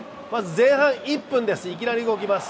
前半１分です、いきなり動きます。